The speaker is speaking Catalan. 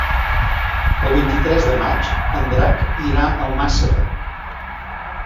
El vint-i-tres de maig en Drac irà a Almàssera.